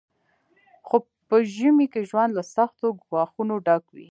خو په ژمي کې ژوند له سختو ګواښونو ډک وي